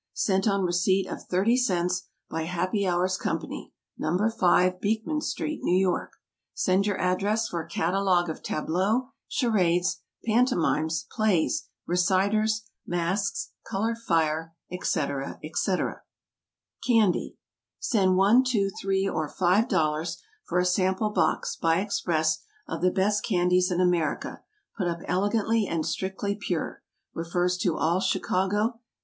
Sent on receipt of 30 cents, by HAPPY HOURS COMPANY, No. 5 Beekman Street, New York. Send your address for a Catalogue of Tableaux, Charades, Pantomimes, Plays, Reciters, Masks, Colored Fire, &c., &c. CANDY Send one, two, three, or five dollars for a sample box, by express, of the best Candies in America, put up elegantly and strictly pure. Refers to all Chicago.